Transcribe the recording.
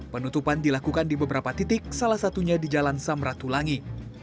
penutupan dilakukan di beberapa titik salah satunya di jalan samratulangi